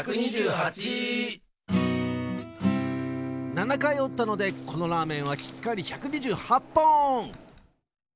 ７かいおったのでこのラーメンはきっかり１２８ぽん！